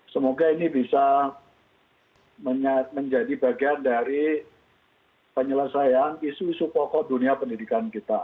semoga ini bisa menjadi bagian dari penyelesaian isu isu pokok dunia pendidikan kita